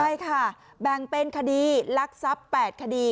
ใช่ค่ะแบ่งเป็นคดีลักทรัพย์๘คดี